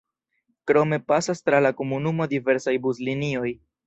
Krome pasas tra la komunumo diversaj buslinioj.